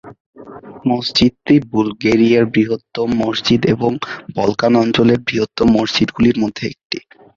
মসজিদটি বুলগেরিয়ার বৃহত্তম মসজিদ এবং বলকান অঞ্চলের বৃহত্তম মসজিদগুলির মধ্যে একটি।